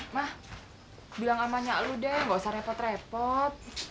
mah bilang samanya lu deh gak usah repot repot